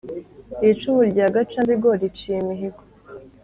iri cumu rya gacanzigo riciye imihigo